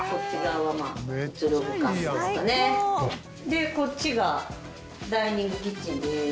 でこっちがダイニングキッチンです。